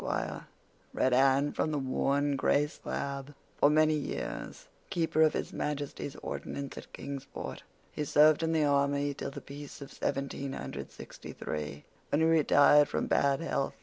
'" read Anne from a worn, gray slab, "'for many years Keeper of His Majesty's Ordnance at Kingsport. He served in the army till the peace of 1763, when he retired from bad health.